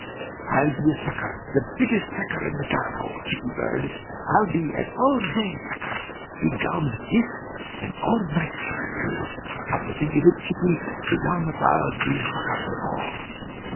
I'd be a sucker, the biggest sucker in the Gar hole, Chickie bird. I'd be an all day sucker, be gobs; yis, and an all night sucker, too. Come to think of it, Chickie, be domn if I'd be a sucker at all.